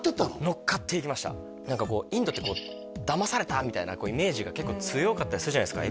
のっかっていきました何かこうインドってだまされたみたいなイメージが結構強かったりするじゃないですか